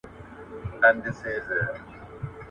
مور خپله لوږه زغمي خو د خپلو اولادونو نسونه مړوي